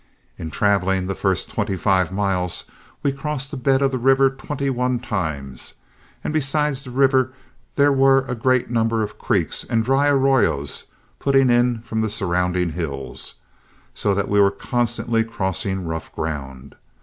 In traveling the first twenty five miles we crossed the bed of the river twenty one times; and besides the river there were a great number of creeks and dry arroyos putting in from the surrounding hills, so that we were constantly crossing rough ground.